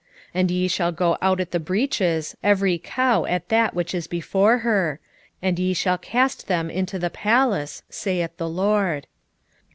4:3 And ye shall go out at the breaches, every cow at that which is before her; and ye shall cast them into the palace, saith the LORD.